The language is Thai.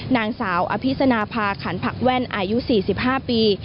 นางสาวอภิษณภาขันผักแว่นอายุ๔๕ปี